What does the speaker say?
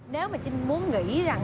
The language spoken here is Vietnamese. nếu mà trinh muốn nghĩ rằng